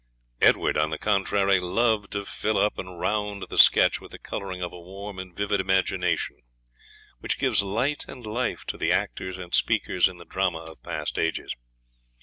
Edward, on the contrary, loved to fill up and round the sketch with the colouring of a warm and vivid imagination, which gives light and life to the actors and speakers in the drama of past ages.